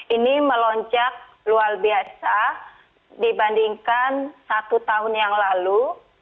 ini melonjak luar biasa dibandingkan satu tahun yang lalu